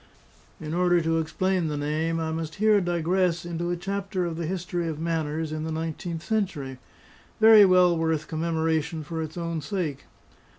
In order to explain the name, I must here digress into a chapter of the history of manners in the nineteenth century, very well worth commemoration for its own sake.